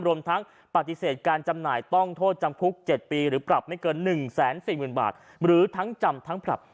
รวมทั้งปฏิเสธการจำหน่ายต้องโทษจำคุกเจ็ดปีหรือปรับไม่เกินหนึ่งแสนสิบหมื่นบาทหรือทั้งจำทั้งปรับ